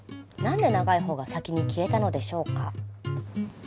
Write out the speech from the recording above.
何で長い方が先に消えたのでしょうか？